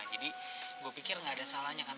jadi gue pikir gak ada salahnya kan